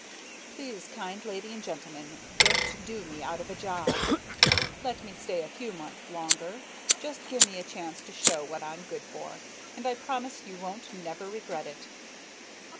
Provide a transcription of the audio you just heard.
Please, kind lady and gentleman, don't do me out of me job! Let me stay a few months longer. Just gimme a chance to show what I'm good for, and I promise you won't never regret it.